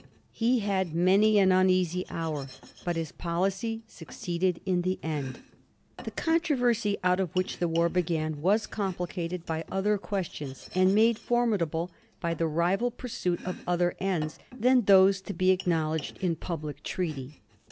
He had many an uneasy hour, but his policy suc ceeded in the end. The controversy out of which the war began was com plicated by other questions and made formidable by the rival pursuit of other ends than those to be acknowledged in public treaity.